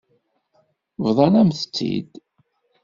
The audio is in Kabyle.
Bḍan-am-tt-id.